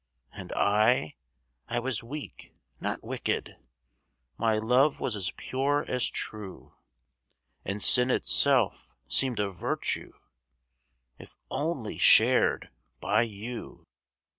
And I? I was weak, not wicked. My love was as pure as true, And sin itself seemed a virtue If only shared by you.